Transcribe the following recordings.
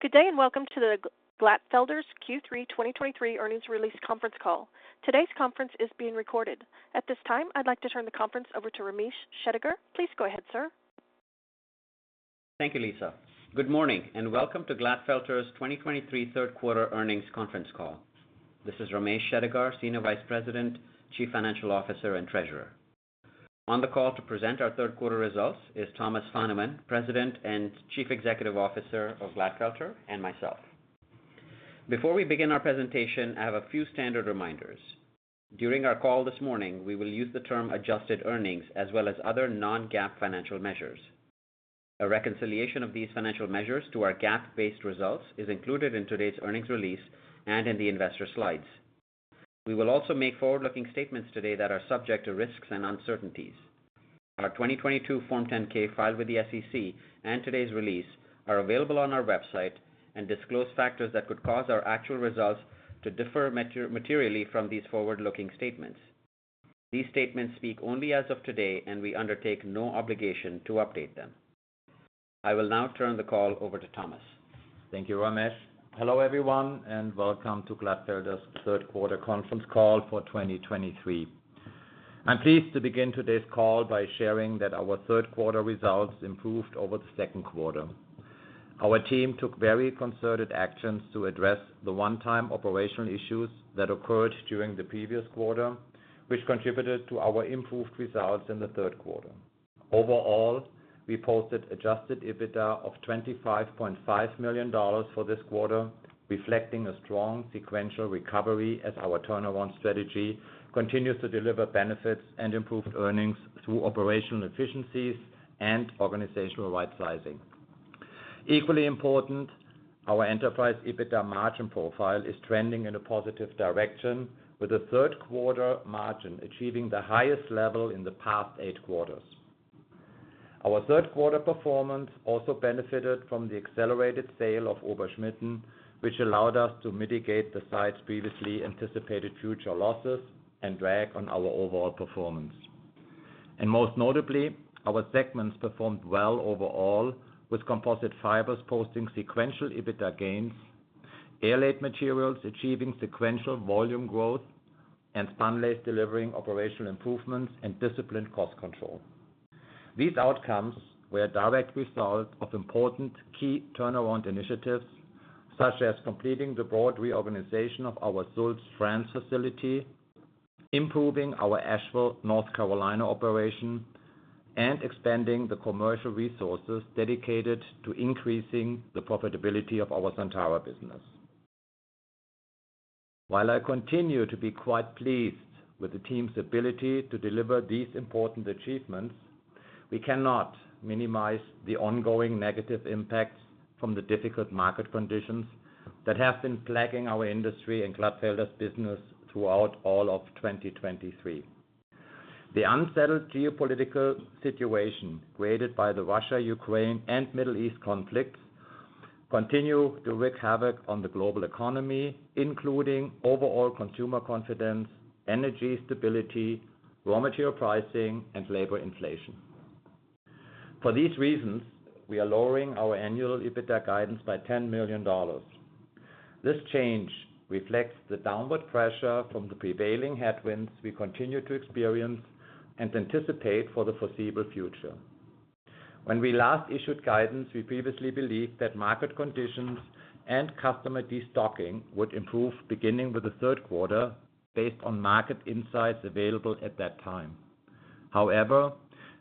Good day, and welcome to the Glatfelter's Q3 2023 Earnings Release Conference Call. Today's conference is being recorded. At this time, I'd like to turn the conference over to Ramesh Shettigar. Please go ahead, sir. Thank you, Lisa. Good morning, and welcome to Glatfelter's 2023 Third Quarter Earnings Conference Call. This is Ramesh Shettigar, Senior Vice President, Chief Financial Officer, and Treasurer. On the call to present our third quarter results is Thomas Fahnemann, President and Chief Executive Officer of Glatfelter, and myself. Before we begin our presentation, I have a few standard reminders. During our call this morning, we will use the term adjusted earnings as well as other non-GAAP financial measures. A reconciliation of these financial measures to our GAAP-based results is included in today's earnings release and in the investor slides. We will also make forward-looking statements today that are subject to risks and uncertainties. Our 2022 Form 10-K filed with the SEC and today's release are available on our website and disclose factors that could cause our actual results to differ materially from these forward-looking statements. These statements speak only as of today, and we undertake no obligation to update them. I will now turn the call over to Thomas. Thank you, Ramesh. Hello, everyone, and welcome to Glatfelter's Third Quarter Conference Call for 2023. I'm pleased to begin today's call by sharing that our third quarter results improved over the second quarter. Our team took very concerted actions to address the one-time operational issues that occurred during the previous quarter, which contributed to our improved results in the third quarter. Overall, we posted Adjusted EBITDA of $25.5 million for this quarter, reflecting a strong sequential recovery as our turnaround strategy continues to deliver benefits and improved earnings through operational efficiencies and organizational rightsizing. Equally important, our enterprise EBITDA margin profile is trending in a positive direction, with a third quarter margin achieving the highest level in the past eight quarters. Our third quarter performance also benefited from the accelerated sale of Ober-Schmitten, which allowed us to mitigate the site's previously anticipated future losses and drag on our overall performance. Most notably, our segments performed well overall, with Composite Fibers posting sequential EBITDA gains, Airlaid Materials achieving sequential volume growth, and Spunlace delivering operational improvements and disciplined cost control. These outcomes were a direct result of important key turnaround initiatives, such as completing the broad reorganization of our Sulz, France facility, improving our Asheville, North Carolina, operation, and expanding the commercial resources dedicated to increasing the profitability of our Sontara business. While I continue to be quite pleased with the team's ability to deliver these important achievements, we cannot minimize the ongoing negative impacts from the difficult market conditions that have been plaguing our industry and Glatfelter's business throughout all of 2023. The unsettled geopolitical situation created by the Russia, Ukraine, and Middle East conflicts continues to wreak havoc on the global economy, including overall consumer confidence, energy stability, raw material pricing, and labor inflation. For these reasons, we are lowering our annual EBITDA guidance by $10 million. This change reflects the downward pressure from the prevailing headwinds we continue to experience and anticipate for the foreseeable future. When we last issued guidance, we previously believed that market conditions and customer destocking would improve beginning with the third quarter, based on market insights available at that time. However,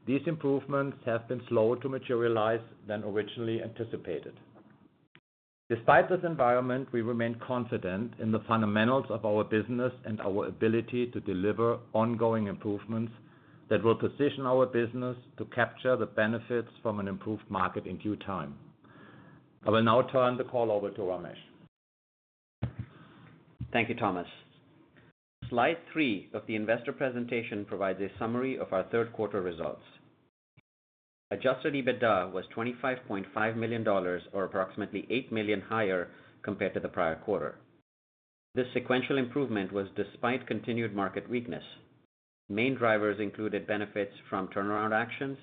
these improvements have been slower to materialize than originally anticipated. Despite this environment, we remain confident in the fundamentals of our business and our ability to deliver ongoing improvements that will position our business to capture the benefits from an improved market in due time. I will now turn the call over to Ramesh. Thank you, Thomas. Slide three of the investor presentation provides a summary of our third quarter results. Adjusted EBITDA was $25.5 million, or approximately $8 million higher compared to the prior quarter. This sequential improvement was despite continued market weakness. Main drivers included benefits from turnaround actions,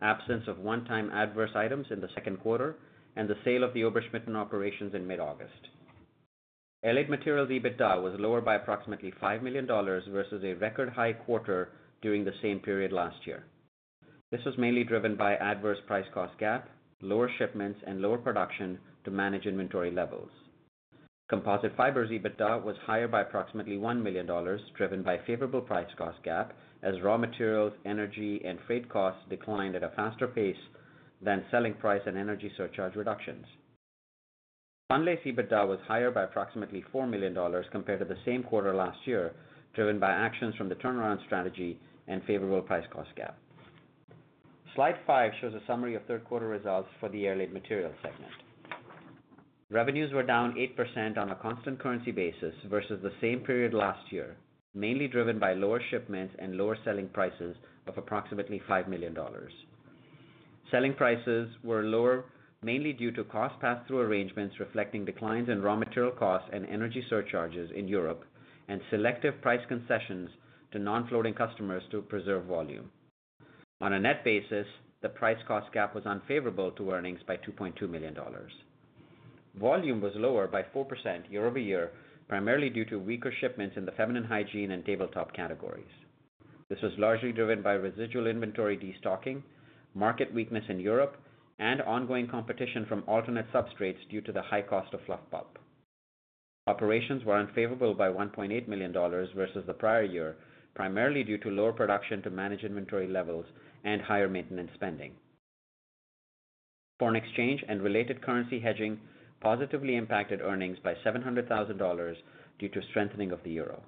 absence of one-time adverse items in the second quarter, and the sale of the Ober-Schmitten operations in mid-August. Airlaid Materials EBITDA was lower by approximately $5 million versus a record high quarter during the same period last year. This was mainly driven by adverse price-cost gap, lower shipments, and lower production to manage inventory levels. Composite Fibers EBITDA was higher by approximately $1 million, driven by favorable price-cost gap, as raw materials, energy, and freight costs declined at a faster pace than selling price and energy surcharge reductions. Spunlace EBITDA was higher by approximately $4 million compared to the same quarter last year, driven by actions from the turnaround strategy and favorable price-cost gap. Slide five shows a summary of third quarter results for the Airlaid Materials segment. Revenues were down 8% on a constant currency basis versus the same period last year, mainly driven by lower shipments and lower selling prices of approximately $5 million. Selling prices were lower, mainly due to cost pass-through arrangements, reflecting declines in raw material costs and energy surcharges in Europe, and selective price concessions to non-floating customers to preserve volume. On a net basis, the price-cost gap was unfavorable to earnings by $2.2 million. Volume was lower by 4% year-over-year, primarily due to weaker shipments in the feminine hygiene and tabletop categories. This was largely driven by residual inventory destocking, market weakness in Europe, and ongoing competition from alternate substrates due to the high cost of fluff pulp. Operations were unfavorable by $1.8 million versus the prior year, primarily due to lower production to manage inventory levels and higher maintenance spending. Foreign exchange and related currency hedging positively impacted earnings by $700,000 due to strengthening of the euro.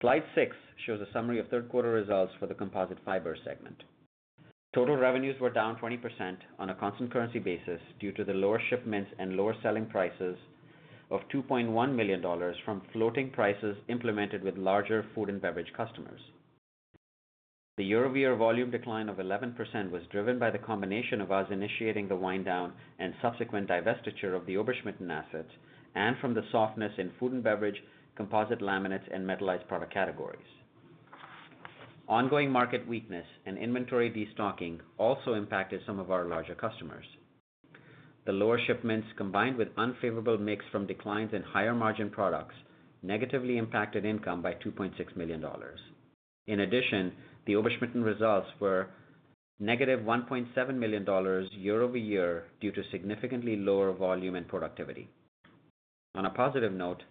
Slide six shows a summary of third quarter results for the Composite Fibers segment. Total revenues were down 20% on a constant currency basis due to the lower shipments and lower selling prices of $2.1 million from floating prices implemented with larger food and beverage customers. The year-over-year volume decline of 11% was driven by the combination of us initiating the wind down and subsequent divestiture of the Ober-Schmitten assets and from the softness in food and beverage, composite laminates, and metallized product categories. Ongoing market weakness and inventory destocking also impacted some of our larger customers. The lower shipments, combined with unfavorable mix from declines in higher margin products, negatively impacted income by $2.6 million. In addition, the Ober-Schmitten results were negative $1.7 million year-over-year due to significantly lower volume and productivity. On a positive note,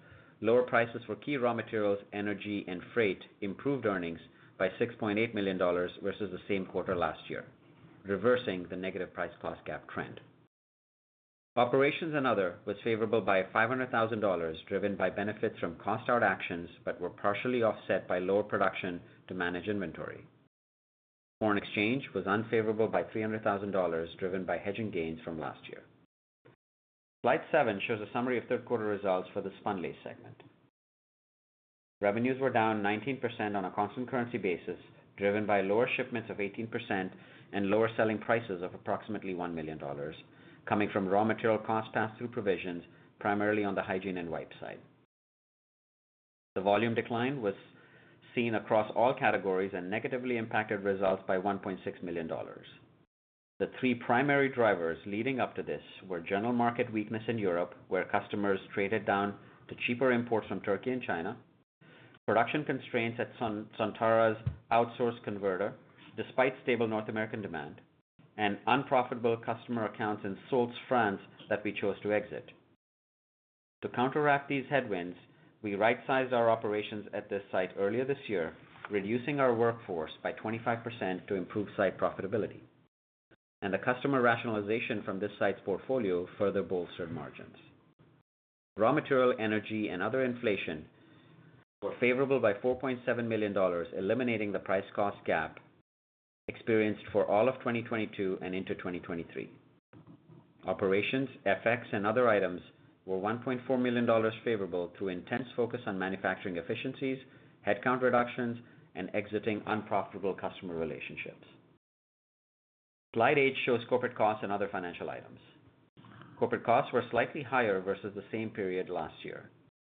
lower prices for key raw materials, energy, and freight improved earnings by $6.8 million versus the same quarter last year, reversing the negative price-cost gap trend. Operations and other was favorable by $500,000, driven by benefits from cost out actions, but were partially offset by lower production to manage inventory. Foreign exchange was unfavorable by $300,000, driven by hedging gains from last year. Slide seven shows a summary of third quarter results for the Spunlace segment. Revenues were down 19% on a constant currency basis, driven by lower shipments of 18% and lower selling prices of approximately $1 million, coming from raw material cost pass-through provisions, primarily on the hygiene and wipe side. The volume decline was seen across all categories and negatively impacted results by $1.6 million. The three primary drivers leading up to this were general market weakness in Europe, where customers traded down to cheaper imports from Turkey and China, production constraints at Sontara's outsource converter despite stable North American demand, and unprofitable customer accounts in Sulz, France, that we chose to exit. To counteract these headwinds, we rightsized our operations at this site earlier this year, reducing our workforce by 25% to improve site profitability, and the customer rationalization from this site's portfolio further bolstered margins. Raw material, energy, and other inflation were favorable by $4.7 million, eliminating the price-cost gap experienced for all of 2022 and into 2023. Operations, FX, and other items were $1.4 million favorable through intense focus on manufacturing efficiencies, headcount reductions, and exiting unprofitable customer relationships. Slide 8 shows corporate costs and other financial items. Corporate costs were slightly higher versus the same period last year.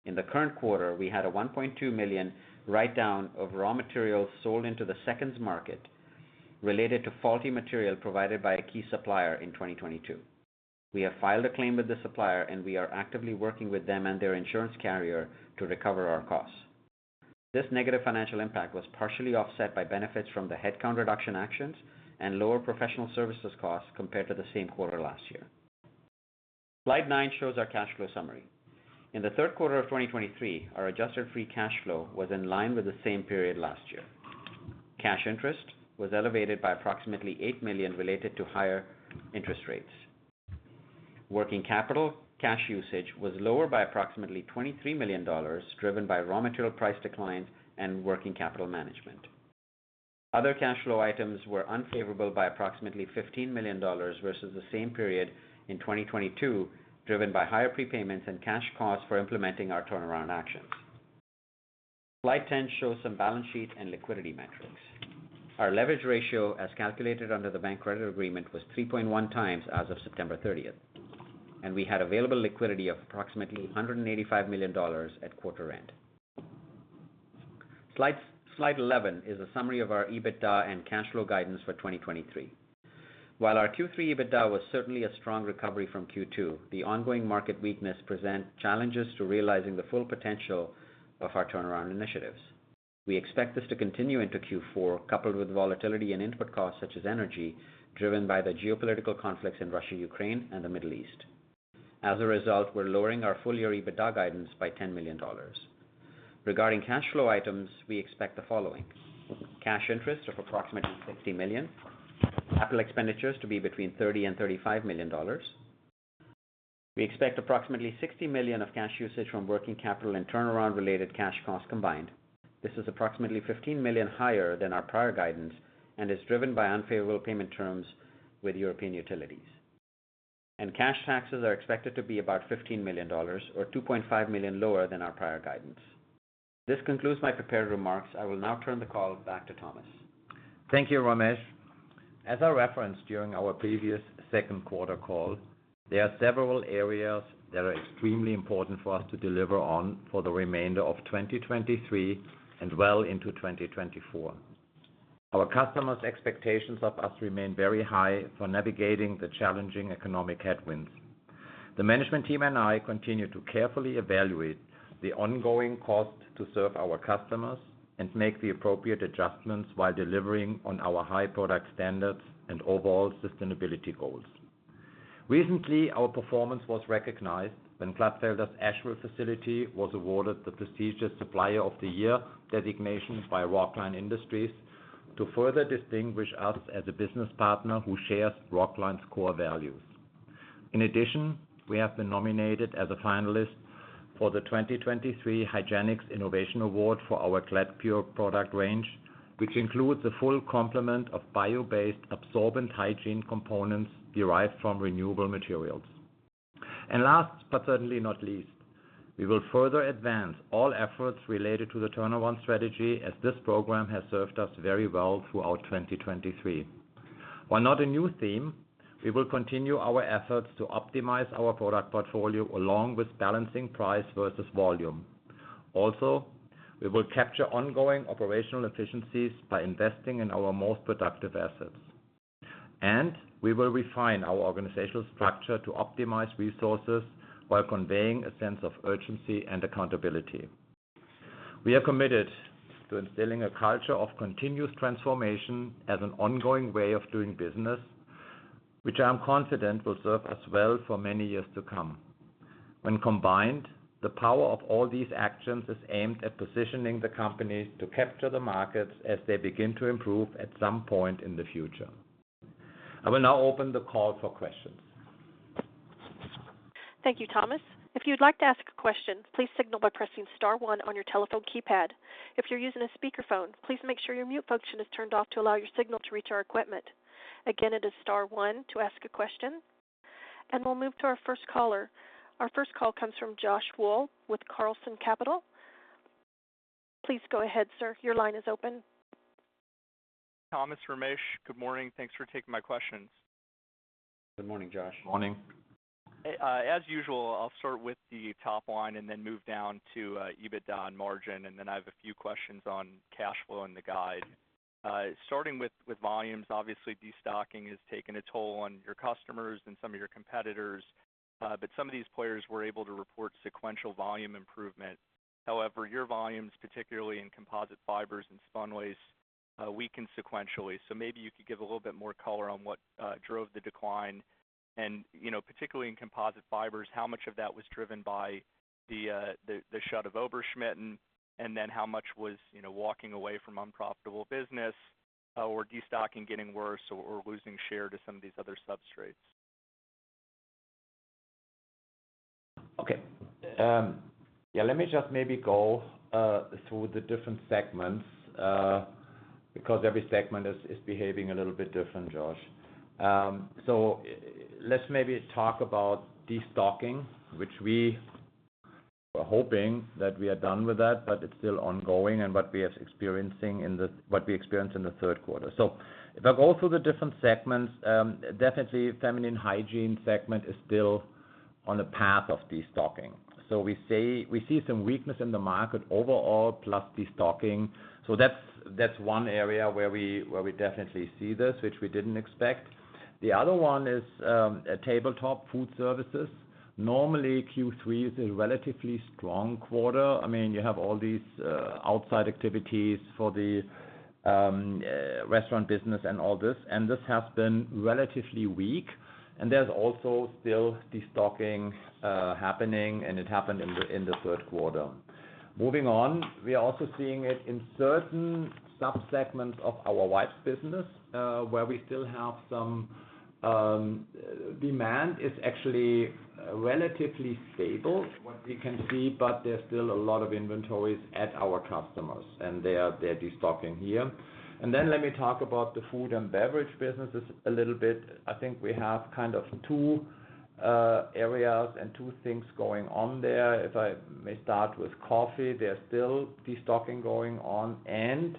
In the current quarter, we had a $1.2 million write-down of raw materials sold into the seconds market related to faulty material provided by a key supplier in 2022. We have filed a claim with the supplier, and we are actively working with them and their insurance carrier to recover our costs. This negative financial impact was partially offset by benefits from the headcount reduction actions and lower professional services costs compared to the same quarter last year. Slide 9 shows our cash flow summary. In the third quarter of 2023, our adjusted free cash flow was in line with the same period last year. Cash interest was elevated by approximately $8 million related to higher interest rates. Working capital cash usage was lower by approximately $23 million, driven by raw material price declines and working capital management. Other cash flow items were unfavorable by approximately $15 million versus the same period in 2022, driven by higher prepayments and cash costs for implementing our turnaround actions. Slide 10 shows some balance sheet and liquidity metrics. Our leverage ratio, as calculated under the bank credit agreement, was 3.1 times as of September thirtieth, and we had available liquidity of approximately $185 million at quarter end. Slide, Slide 11 is a summary of our EBITDA and cash flow guidance for 2023. While our Q3 EBITDA was certainly a strong recovery from Q2, the ongoing market weakness present challenges to realizing the full potential of our turnaround initiatives. We expect this to continue into Q4, coupled with volatility in input costs such as energy, driven by the geopolitical conflicts in Russia, Ukraine, and the Middle East. As a result, we're lowering our full-year EBITDA guidance by $10 million. Regarding cash flow items, we expect the following: Cash interest of approximately $60 million, capital expenditures to be between $30 million and $35 million. We expect approximately $60 million of cash usage from working capital and turnaround-related cash costs combined. This is approximately $15 million higher than our prior guidance and is driven by unfavorable payment terms with European utilities. Cash taxes are expected to be about $15 million, or $2.5 million lower than our prior guidance. This concludes my prepared remarks. I will now turn the call back to Thomas. Thank you, Ramesh. ...As I referenced during our previous second quarter call, there are several areas that are extremely important for us to deliver on for the remainder of 2023 and well into 2024. Our customers' expectations of us remain very high for navigating the challenging economic headwinds. The management team and I continue to carefully evaluate the ongoing cost to serve our customers and make the appropriate adjustments, while delivering on our high product standards and overall sustainability goals. Recently, our performance was recognized when Glatfelter's Asheville facility was awarded the prestigious Supplier of the Year designation by Rockline Industries, to further distinguish us as a business partner who shares Rockline's core values. In addition, we have been nominated as a finalist for the 2023 Hygiene Innovation Award for our GlatPure product range, which includes a full complement of bio-based, absorbent hygiene components derived from renewable materials. Last, but certainly not least, we will further advance all efforts related to the turnaround strategy, as this program has served us very well throughout 2023. While not a new theme, we will continue our efforts to optimize our product portfolio, along with balancing price versus volume. Also, we will capture ongoing operational efficiencies by investing in our most productive assets, and we will refine our organizational structure to optimize resources while conveying a sense of urgency and accountability. We are committed to instilling a culture of continuous transformation as an ongoing way of doing business, which I am confident will serve us well for many years to come. When combined, the power of all these actions is aimed at positioning the company to capture the markets as they begin to improve at some point in the future. I will now open the call for questions. Thank you, Thomas. If you'd like to ask a question, please signal by pressing star one on your telephone keypad. If you're using a speakerphone, please make sure your mute function is turned off to allow your signal to reach our equipment. Again, it is star one to ask a question. We'll move to our first caller. Our first call comes from Josh Wohl with Carlson Capital. Please go ahead, sir. Your line is open. Thomas, Ramesh, Good morning. Thanks for taking my questions. Good morning, Josh. Morning. As usual, I'll start with the top line and then move down to EBITDA and margin, and then I have a few questions on cash flow and the guide. Starting with volumes, obviously, destocking has taken a toll on your customers and some of your competitors, but some of these players were able to report sequential volume improvement. However, your volumes, particularly in Composite Fibers and Spunlace, weakened sequentially. So maybe you could give a little bit more color on what drove the decline. And, you know, particularly in Composite Fibers, how much of that was driven by the shutdown of Ober-Schmitten? And then how much was, you know, walking away from unprofitable business, or destocking getting worse, or losing share to some of these other substrates? Okay. Yeah, let me just maybe go through the different segments, because every segment is behaving a little bit different, Josh. So let's maybe talk about destocking, which we were hoping that we are done with that, but it's still ongoing and what we are experiencing in the—what we experienced in the third quarter. So if I go through the different segments, definitely, feminine hygiene segment is still on the path of destocking. So we see some weakness in the market overall, plus destocking. So that's one area where we definitely see this, which we didn't expect. The other one is a tabletop food services. Normally, Q3 is a relatively strong quarter. I mean, you have all these, outside activities for the, restaurant business and all this, and this has been relatively weak, and there's also still destocking, happening, and it happened in the, in the third quarter. Moving on, we are also seeing it in certain subsegments of our wipes business, where we still have some, demand is actually relatively stable, what we can see, but there's still a lot of inventories at our customers, and they are, they're destocking here. And then let me talk about the food and beverage businesses a little bit. I think we have kind of two, areas and two things going on there. If I may start with coffee, there's still destocking going on, and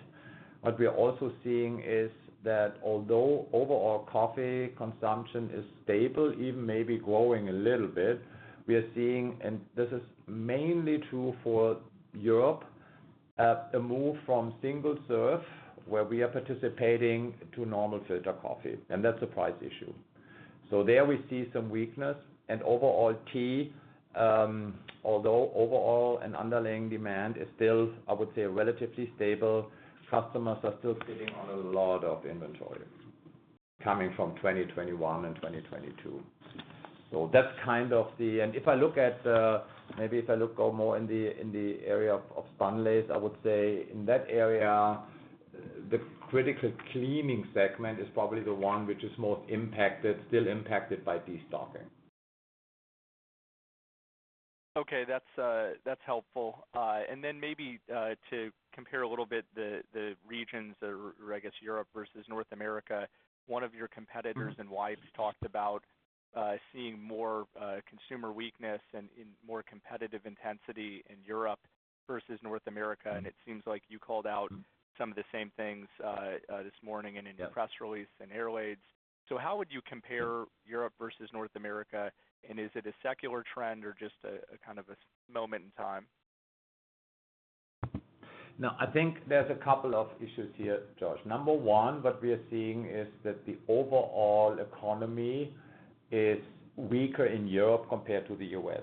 what we are also seeing is that although overall coffee consumption is stable, even maybe growing a little bit, we are seeing, and this is mainly true for Europe, a move from single-serve, where we are participating, to normal filter coffee, and that's a price issue. So there we see some weakness. And overall tea, although overall and underlying demand is still, I would say, relatively stable, customers are still sitting on a lot of inventory coming from 2021 and 2022. So that's kind of the... And if I look more in the area of Spunlace, I would say in that area, the critical cleaning segment is probably the one which is most impacted, still impacted by destocking. Okay, that's helpful. And then maybe to compare a little bit the regions or I guess, Europe versus North America. One of your competitors in wipes talked about seeing more consumer weakness and in more competitive intensity in Europe... versus North America, and it seems like you called out some of the same things this morning and in- Yeah - your press release and Airlaid. So how would you compare Europe versus North America? And is it a secular trend or just a kind of a moment in time? Now, I think there's a couple of issues here, George. Number one, what we are seeing is that the overall economy is weaker in Europe compared to the U.S.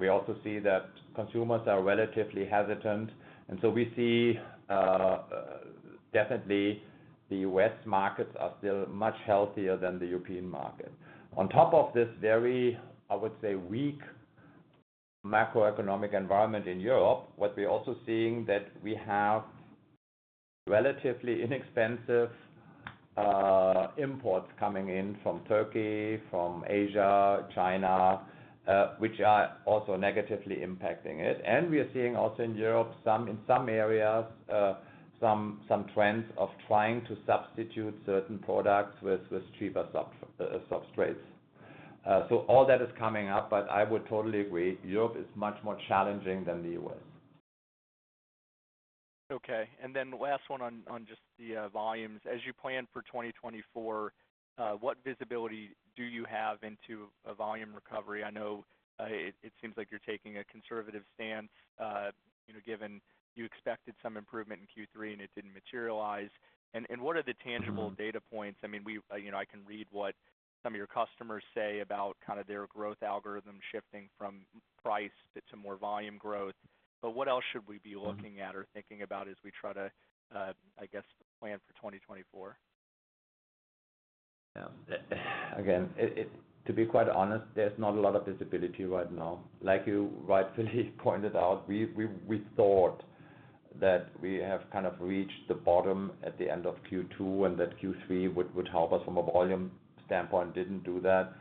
We also see that consumers are relatively hesitant, and so we see, definitely, the U.S. markets are still much healthier than the European market. On top of this very, I would say, weak macroeconomic environment in Europe, what we're also seeing, that we have relatively inexpensive, imports coming in from Turkey, from Asia, China, which are also negatively impacting it. We are seeing also in Europe, some, in some areas, some trends of trying to substitute certain products with cheaper substrates. So all that is coming up, but I would totally agree, Europe is much more challenging than the U.S. Okay, then last one on just the volumes. As you plan for 2024, what visibility do you have into a volume recovery? I know it seems like you're taking a conservative stance, you know, given you expected some improvement in Q3 and it didn't materialize. What are the tangible data points? I mean, you know, I can read what some of your customers say about kind of their growth algorithm shifting from price to more volume growth. But what else should we be looking at or thinking about as we try to, I guess, plan for 2024? Yeah. Again, to be quite honest, there's not a lot of visibility right now. Like you rightfully pointed out, we thought that we have kind of reached the bottom at the end of Q2, and that Q3 would help us from a volume standpoint, didn't do that.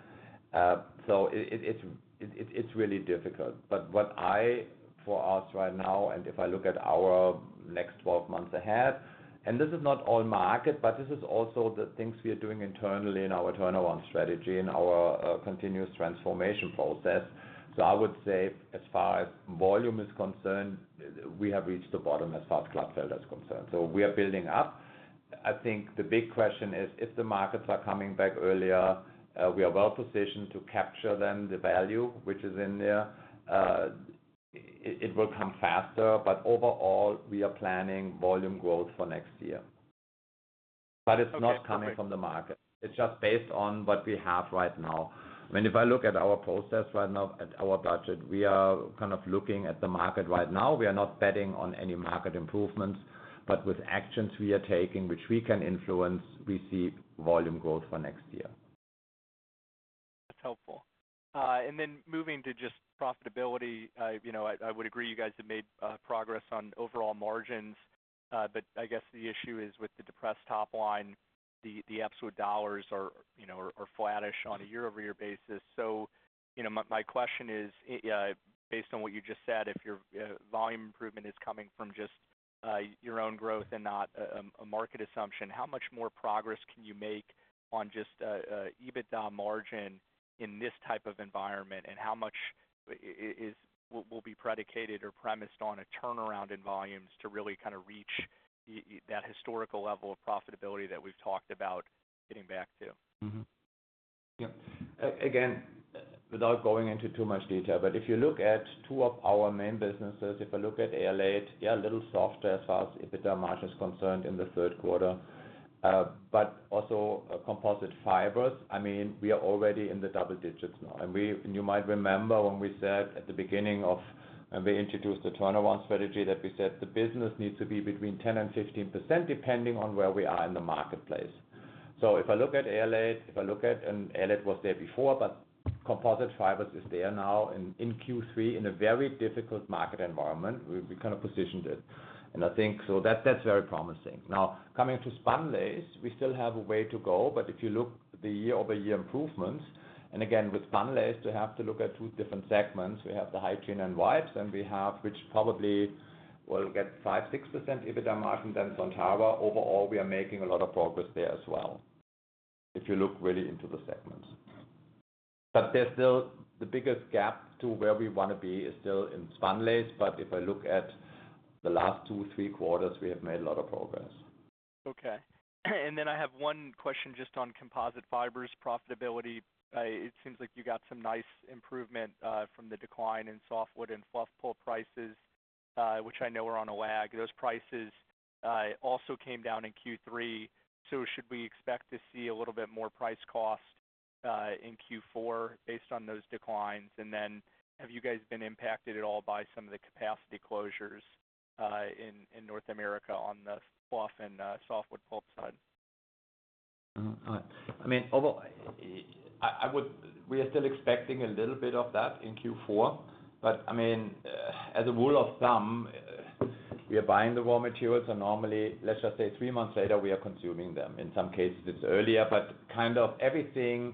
So it's really difficult. But for us right now, and if I look at our next 12 months ahead, and this is not all market, but this is also the things we are doing internally in our turnaround strategy and our continuous transformation process. So I would say as far as volume is concerned, we have reached the bottom as far plant fill is concerned, so we are building up. I think the big question is, if the markets are coming back earlier, we are well positioned to capture then the value which is in there. It will come faster, but overall, we are planning volume growth for next year. Okay. But it's not coming from the market. It's just based on what we have right now. I mean, if I look at our process right now, at our budget, we are kind of looking at the market right now. We are not betting on any market improvements, but with actions we are taking, which we can influence, we see volume growth for next year. That's helpful. And then moving to just profitability, I, you know, would agree, you guys have made progress on overall margins, but I guess the issue is with the depressed top line, the absolute dollars are, you know, are flattish on a year-over-year basis. So, you know, my question is, based on what you just said, if your volume improvement is coming from just your own growth and not a market assumption, how much more progress can you make on just EBITDA margin in this type of environment? And how much will be predicated or premised on a turnaround in volumes to really kind of reach that historical level of profitability that we've talked about getting back to? Mm-hmm. Yeah. Again, without going into too much detail, but if you look at two of our main businesses, if I look at Airlaid, yeah, a little softer as far as EBITDA margin is concerned in the third quarter, but also Composite Fibers. I mean, we are already in the double digits now, and we and you might remember when we said at the beginning of... When we introduced the turnaround strategy, that we said the business needs to be between 10% and 15%, depending on where we are in the marketplace. So if I look at Airlaid, if I look at, and Airlaid was there before, but Composite Fibers is there now, and in Q3, in a very difficult market environment, we, we kind of positioned it. And I think, so that's, that's very promising. Now, coming to Spunlace, we still have a way to go, but if you look at the year-over-year improvements, and again, with Spunlace, you have to look at two different segments. We have the hygiene and wipes, and we have, which probably will get 5%-6% EBITDA margin than Sontara. Overall, we are making a lot of progress there as well, if you look really into the segments. But there's still the biggest gap to where we want to be is still in Spunlace, but if I look at the last two, three quarters, we have made a lot of progress. Okay. And then I have one question just on Composite Fibers profitability. It seems like you got some nice improvement from the decline in softwood pulp and fluff pulp prices, which I know are on a lag. Those prices also came down in Q3. So should we expect to see a little bit more price-cost in Q4 based on those declines? And then, have you guys been impacted at all by some of the capacity closures in North America on the fluff pulp and softwood pulp side? Mm-hmm. I mean, we are still expecting a little bit of that in Q4, but, I mean, as a rule of thumb, we are buying the raw materials, and normally, let's just say three months later, we are consuming them. In some cases, it's earlier, but kind of everything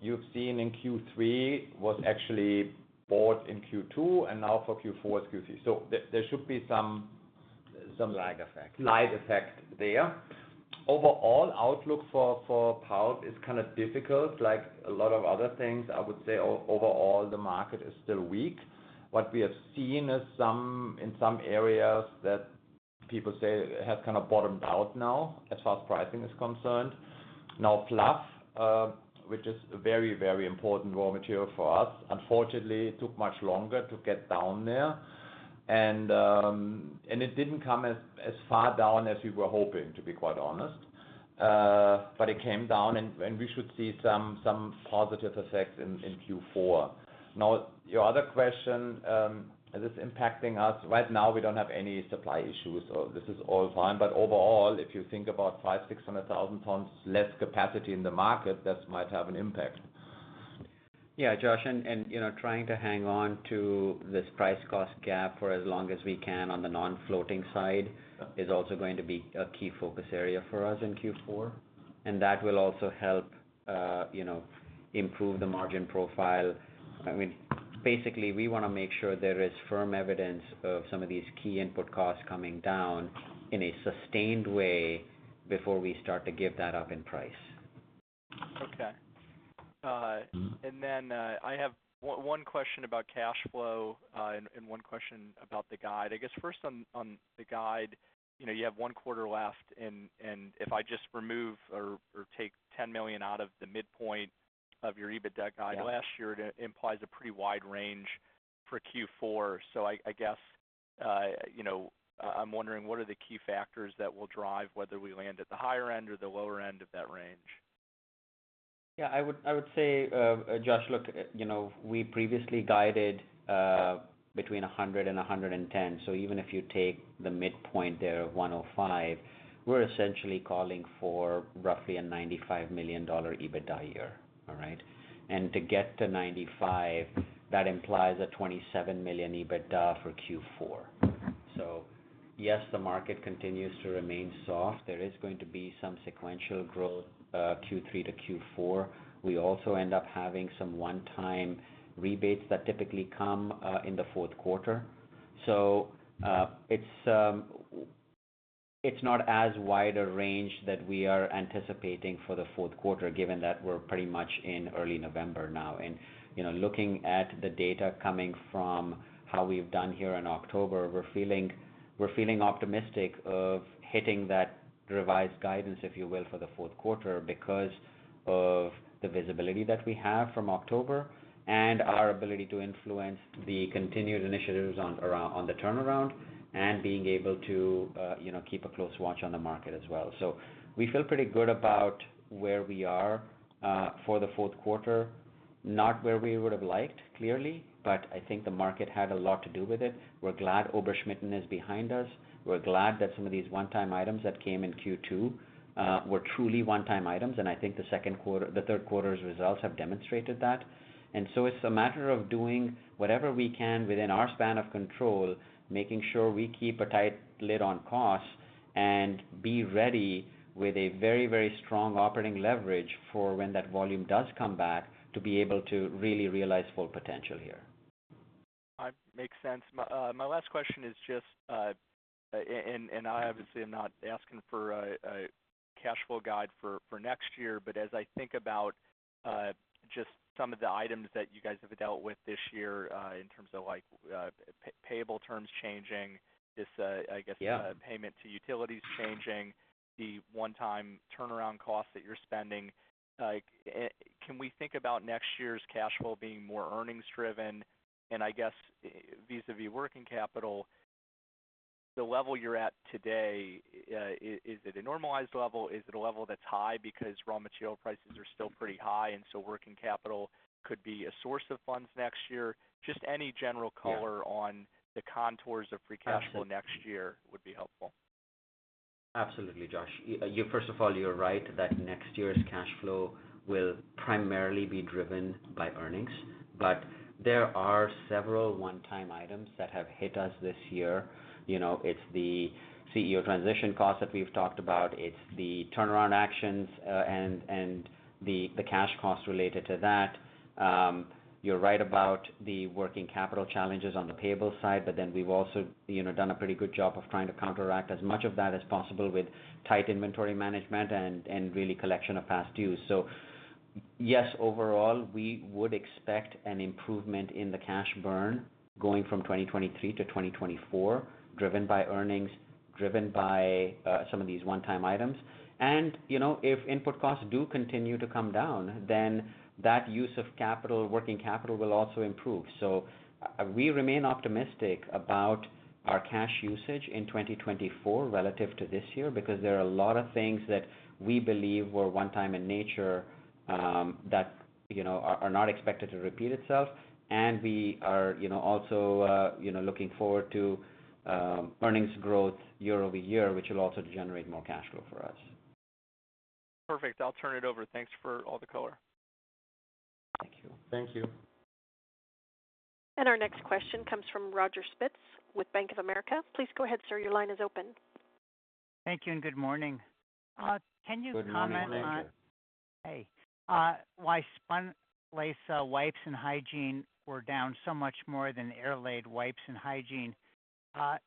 you've seen in Q3 was actually bought in Q2, and now for Q4, it's Q3. So there should be some lag effect, slight effect there. Overall, outlook for pulp is kind of difficult, like a lot of other things. I would say overall, the market is still weak. What we have seen is in some areas that people say have kind of bottomed out now, as far as pricing is concerned. Now, fluff, which is a very, very important raw material for us, unfortunately, took much longer to get down there. It didn't come as far down as we were hoping, to be quite honest. But it came down, and we should see some positive effects in Q4. Now, your other question, is this impacting us? Right now, we don't have any supply issues, so this is all fine. But overall, if you think about 500,000-600,000 tons less capacity in the market, that might have an impact. Yeah, Josh, and you know, trying to hang on to this Price-Cost Gap for as long as we can on the non-floating side is also going to be a key focus area for us in Q4. And that will also help, you know, improve the margin profile. I mean, basically, we wanna make sure there is firm evidence of some of these key input costs coming down in a sustained way before we start to give that up in price. Okay. Uh- Mm-hmm. and then, I have one question about cash flow, and one question about the guide. I guess, first on the guide, you know, you have one quarter left, and if I just remove or take $10 million out of the midpoint of your EBITDA guide last year, it implies a pretty wide range for Q4. So I guess, you know, I'm wondering, what are the key factors that will drive whether we land at the higher end or the lower end of that range? Yeah, I would, I would say, Josh, look, you know, we previously guided between 100 and 110. So even if you take the midpoint there of 105, we're essentially calling for roughly a $95 million EBITDA year, all right? And to get to 95, that implies a $27 million EBITDA for Q4. So yes, the market continues to remain soft. There is going to be some sequential growth Q3-Q4. We also end up having some one-time rebates that typically come in the fourth quarter. So, it's not as wide a range that we are anticipating for the fourth quarter, given that we're pretty much in early November now. You know, looking at the data coming from how we've done here in October, we're feeling, we're feeling optimistic of hitting that revised guidance, if you will, for the fourth quarter, because of the visibility that we have from October, and our ability to influence the continued initiatives on around, on the turnaround, and being able to, you know, keep a close watch on the market as well. So we feel pretty good about where we are for the fourth quarter, not where we would have liked, clearly, but I think the market had a lot to do with it. We're glad Ober-Schmitten is behind us. We're glad that some of these one-time items that came in Q2 were truly one-time items, and I think the second quarter—the third quarter's results have demonstrated that. And so it's a matter of doing whatever we can within our span of control, making sure we keep a tight lid on costs, and be ready with a very, very strong operating leverage for when that volume does come back, to be able to really realize full potential here. Makes sense. My last question is just, and I obviously am not asking for a cash flow guide for next year, but as I think about just some of the items that you guys have dealt with this year, in terms of like payable terms changing, this, I guess- Yeah... payment to utilities changing, the one-time turnaround costs that you're spending, like, can we think about next year's cash flow being more earnings driven? And I guess, vis-a-vis working capital, the level you're at today, is, is it a normalized level? Is it a level that's high because raw material prices are still pretty high, and so working capital could be a source of funds next year? Just any general color- Yeah... on the contours of free cash flow next year would be helpful. Absolutely, Josh. You, first of all, you're right, that next year's cash flow will primarily be driven by earnings, but there are several one-time items that have hit us this year. You know, it's the CEO transition costs that we've talked about, it's the turnaround actions, and the cash costs related to that. You're right about the working capital challenges on the payable side, but then we've also, you know, done a pretty good job of trying to counteract as much of that as possible with tight inventory management and really collection of past dues. So yes, overall, we would expect an improvement in the cash burn going from 2023-2024, driven by earnings, driven by some of these one-time items. You know, if input costs do continue to come down, then that use of capital, working capital, will also improve. So we remain optimistic about our cash usage in 2024 relative to this year, because there are a lot of things that we believe were one time in nature, that, you know, are not expected to repeat itself. And we are, you know, also, you know, looking forward to earnings growth year-over-year, which will also generate more cash flow for us. Perfect. I'll turn it over. Thanks for all the color. Thank you. Thank you. Our next question comes from Roger Spitz with Bank of America. Please go ahead, sir. Your line is open.... Thank you, and good morning. Can you comment on- Good morning, Roger. Hey, why Spunlace, wipes, and hygiene were down so much more than Airlaid, wipes, and hygiene?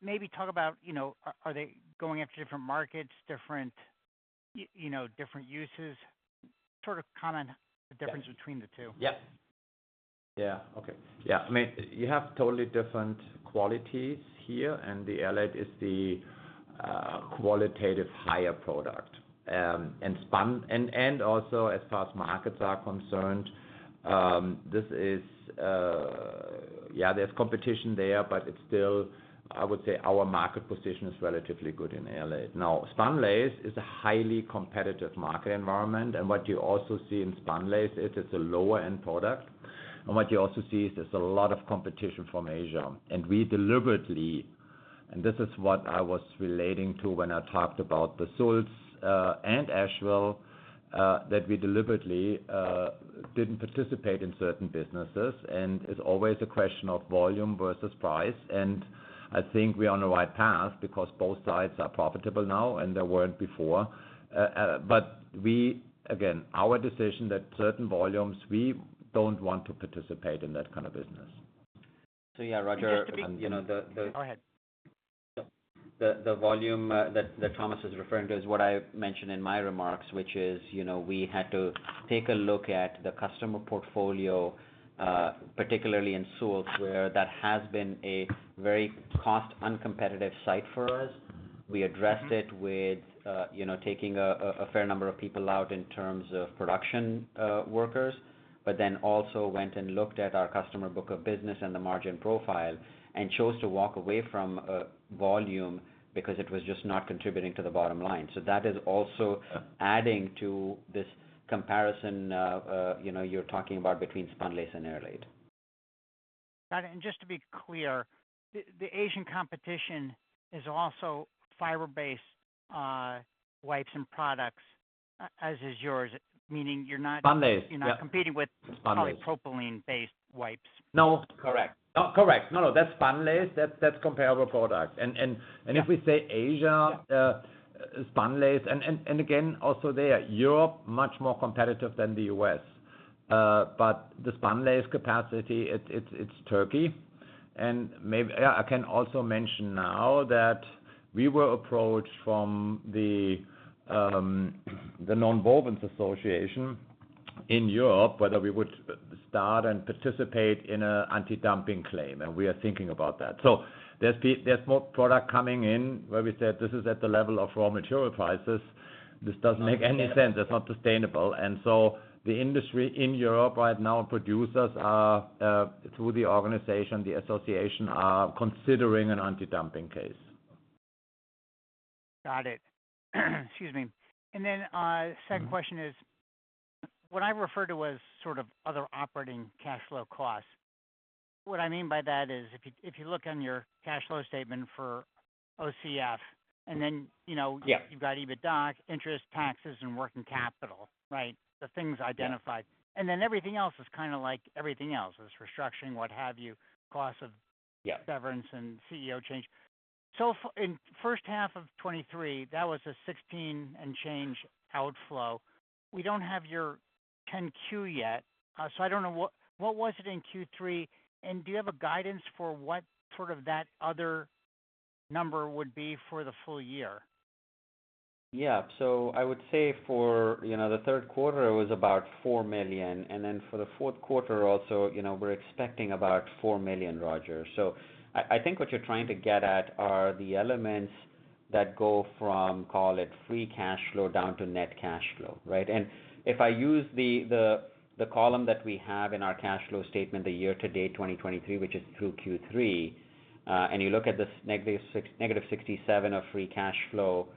Maybe talk about, you know, are they going after different markets, different, you know, different uses? Sort of comment- Yeah. the difference between the two. Yep. Yeah. Okay. Yeah, I mean, you have totally different qualities here, and the Airlaid is the qualitative higher product. And Spunlace and also, as far as markets are concerned, this is yeah, there's competition there, but it's still, I would say our market position is relatively good in Airlaid. Now, Spunlace is a highly competitive market environment, and what you also see in Spunlace is it's a lower-end product. And what you also see is there's a lot of competition from Asia. And we deliberately, and this is what I was relating to when I talked about the Sulz and Asheville, that we deliberately didn't participate in certain businesses, and it's always a question of volume versus price. And I think we are on the right path because both sides are profitable now, and they weren't before. But we, again, our decision that certain volumes, we don't want to participate in that kind of business. So yeah, Roger, you know, the— Go ahead. The volume that Thomas is referring to is what I mentioned in my remarks, which is, you know, we had to take a look at the customer portfolio, particularly in Sulz, where that has been a very cost-uncompetitive site for us. We addressed it with, you know, taking a fair number of people out in terms of production workers, but then also went and looked at our customer book of business and the margin profile and chose to walk away from volume because it was just not contributing to the bottom line. So that is also adding to this comparison, you know, you're talking about between Spunlace and Airlaid. Got it. And just to be clear, the Asian competition is also fiber-based wipes and products, as is yours, meaning you're not- Spunlace. You're not competing with- Spunlace - polypropylene-based wipes? No. Correct. Correct. No, no, that's Spunlace. That's, that's comparable product. Yeah. And if we say Asia- Yeah... Spunlace, and again, also there, Europe, much more competitive than the U.S. But the Spunlace capacity, it's Turkey. And maybe, yeah, I can also mention now that we were approached from the, the Nonwovens Association in Europe, whether we would start and participate in an anti-dumping claim, and we are thinking about that. So there's more product coming in, where we said this is at the level of raw material prices. This doesn't make any sense. Okay. It's not sustainable. And so the industry in Europe right now, producers are through the organization, the association, are considering an anti-dumping case. Got it. Excuse me. And then, second question is, what I referred to as sort of other operating cash flow costs. What I mean by that is, if you, if you look on your cash flow statement for OCF, and then, you know- Yeah... you've got EBITDA, interest, taxes, and working capital, right? The things I identified. Yeah. And then everything else is kind of like everything else. There's restructuring, what have you, costs of- Yeah severance and CEO change. So in first half of 2023, that was a 16 and change outflow. We don't have your Form 10-Q yet, so I don't know what—what was it in Q3, and do you have guidance for what sort of that other number would be for the full year? Yeah. So I would say for, you know, the third quarter, it was about $4 million, and then for the fourth quarter also, you know, we're expecting about $4 million, Roger. So I think what you're trying to get at are the elements that go from, call it, free cash flow down to net cash flow, right? And if I use the column that we have in our cash flow statement, the year-to-date 2023, which is through Q3, and you look at this -67 of free cash flow,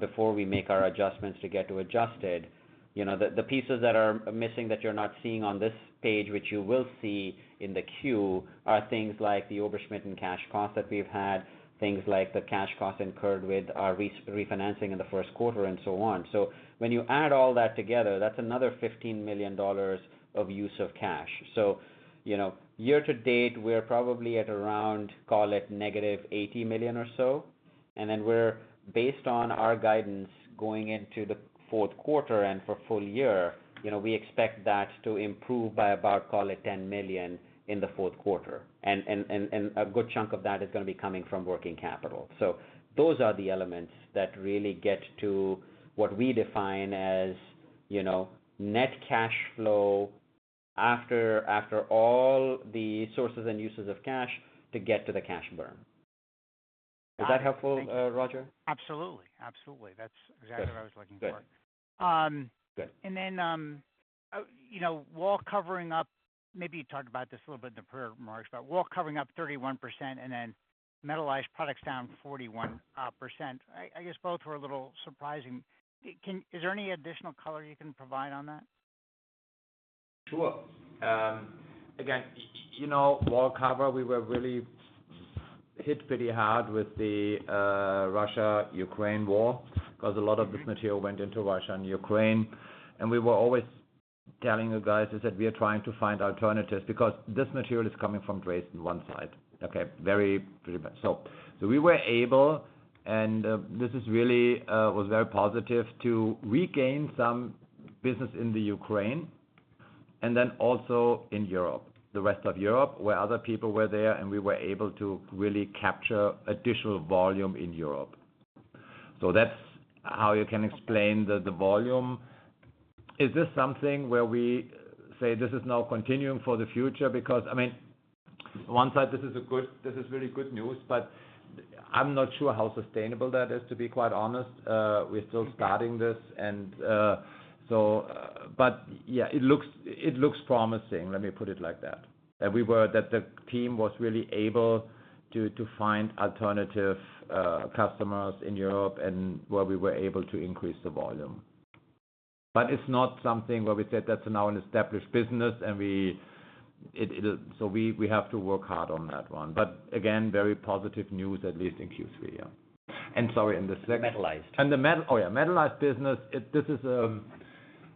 before we make our adjustments to get to adjusted. You know, the pieces that are missing, that you're not seeing on this page, which you will see in the queue, are things like the Ober-Schmitten cash cost that we've had, things like the cash cost incurred with our refinancing in the first quarter, and so on. So when you add all that together, that's another $15 million of use of cash. So, you know, year to date, we're probably at around, call it, negative $80 million or so. And then we're, based on our guidance going into the fourth quarter and for full year, you know, we expect that to improve by about, call it, $10 million in the fourth quarter. And a good chunk of that is going to be coming from working capital. So those are the elements that really get to what we define as, you know, net cash flow after all the sources and uses of cash to get to the cash burn. Got it. Is that helpful, Roger? Absolutely, absolutely. Good. That's exactly what I was looking for. Good. Um- Good. And then, you know, wall covering up, maybe you talked about this a little bit in the prepared remarks, but wall covering up 31% and then metallized products down 41%. I, I guess both were a little surprising. Is there any additional color you can provide on that? Sure. Again, you know, wallcover, we were really hit pretty hard with the Russia-Ukraine war because a lot of this material went into Russia and Ukraine, and we were always telling you guys is that we are trying to find alternatives, because this material is coming from Dresden in one side, okay? Very, pretty much. So we were able, and this really was very positive to regain some business in the Ukraine and then also in Europe, the rest of Europe, where other people were there, and we were able to really capture additional volume in Europe. So that's how you can explain the volume. Is this something where we say this is now continuing for the future? Because, I mean, on one side, this is a good, this is really good news, but I'm not sure how sustainable that is, to be quite honest. We're still starting this and, so. But yeah, it looks promising. Let me put it like that. And the team was really able to find alternative customers in Europe and where we were able to increase the volume. But it's not something where we said that's now an established business, and so we have to work hard on that one. But again, very positive news, at least in Q3, yeah. And sorry, and the second- Metallized. The metallized business.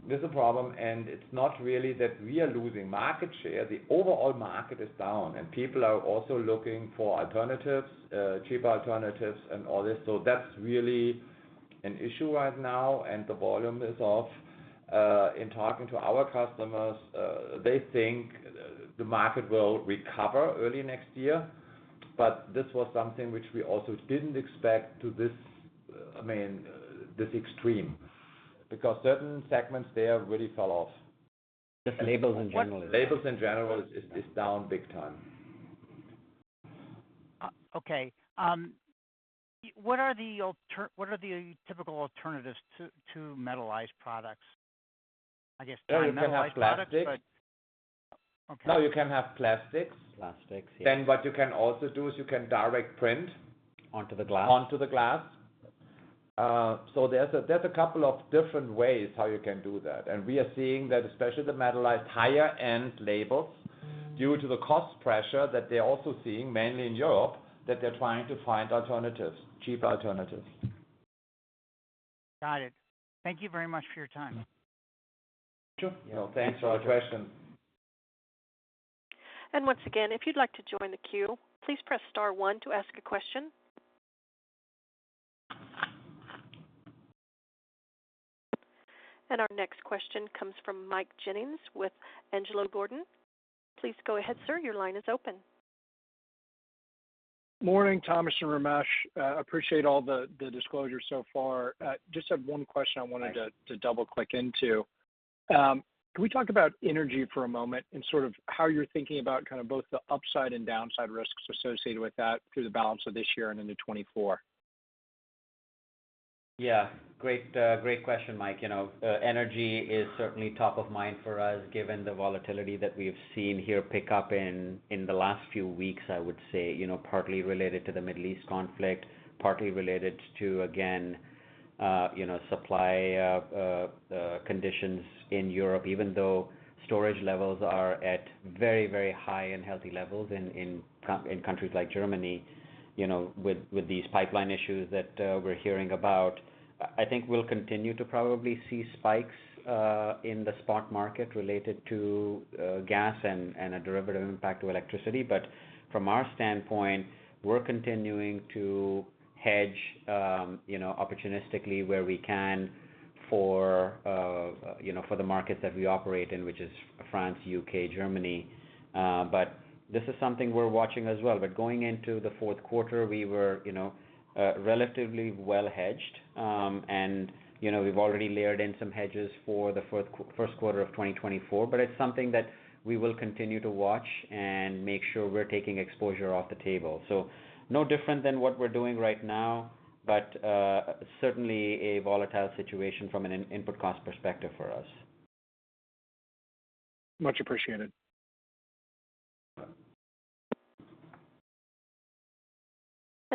This is a problem, and it's not really that we are losing market share. The overall market is down, and people are also looking for alternatives, cheaper alternatives and all this. So that's really an issue right now, and the volume is off. In talking to our customers, they think the market will recover early next year, but this was something which we also didn't expect to this, I mean, this extreme, because certain segments there really fell off. The labels in general. Labels in general is down big time. Okay. What are the typical alternatives to metallized products? I guess- No, you can have plastics. Okay. No, you can have plastics. Plastics, yes. Then what you can also do is you can direct print- Onto the glass. Onto the glass. So there's a couple of different ways how you can do that, and we are seeing that especially the metallized higher-end labels, due to the cost pressure that they're also seeing, mainly in Europe, that they're trying to find alternatives, cheaper alternatives. Got it. Thank you very much for your time. Sure. You know, thanks for the question. Once again, if you'd like to join the queue, please press star one to ask a question. Our next question comes from Mike Ginnings with Angelo Gordon. Please go ahead, sir. Your line is open. Morning, Thomas and Ramesh. Appreciate all the disclosures so far. Just have one question I wanted to- Hi... to double-click into. Can we talk about energy for a moment and sort of how you're thinking about kind of both the upside and downside risks associated with that through the balance of this year and into 2024? Yeah. Great, great question, Mike. You know, energy is certainly top of mind for us, given the volatility that we've seen here pick up in, in the last few weeks, I would say, you know, partly related to the Middle East conflict, partly related to, again, you know, supply of, conditions in Europe, even though storage levels are at very, very high and healthy levels in, in countries like Germany, you know, with, with these pipeline issues that, we're hearing about. I think we'll continue to probably see spikes, in the spot market related to, gas and, and a derivative impact to electricity. But from our standpoint, we're continuing to hedge, you know, opportunistically where we can for, you know, for the markets that we operate in, which is France, U.K., Germany. But this is something we're watching as well. But going into the fourth quarter, we were, you know, relatively well hedged. And, you know, we've already layered in some hedges for the first quarter of 2024, but it's something that we will continue to watch and make sure we're taking exposure off the table. So no different than what we're doing right now, but certainly a volatile situation from an input cost perspective for us. Much appreciated.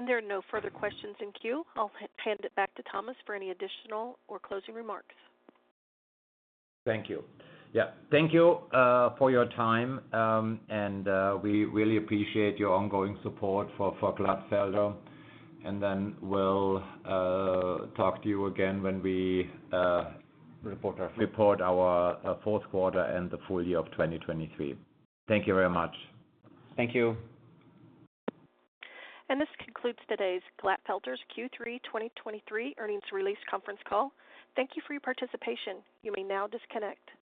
There are no further questions in queue. I'll hand it back to Thomas for any additional or closing remarks. Thank you. Yeah, thank you for your time, and we really appreciate your ongoing support for Glatfelter. And then we'll talk to you again when we Report our- Report our fourth quarter and the full year of 2023. Thank you very much. Thank you. This concludes today's Glatfelter's Q3 2023 Earnings Release Conference Call. Thank you for your participation. You may now disconnect.